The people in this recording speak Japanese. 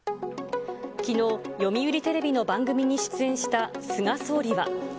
きのう、読売テレビの番組に出演した菅総理は。